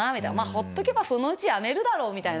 「ほっとけばそのうちやめるだろう」みたいな。